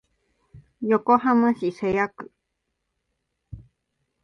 横浜市瀬谷区